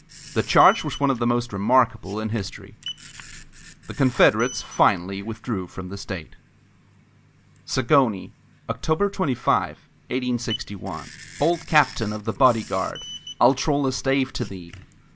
The charge was one of the most remarkable in history. The Confederates finally withdrew from the state. ZAGONYI [October 25, 1861] Bold Captain of the Body Guard, I'll troll a stave to thee!